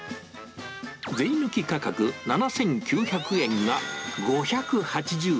税抜き価格７９００円が、５８０円。